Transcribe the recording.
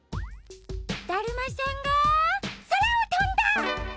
だるまさんがそらをとんだ！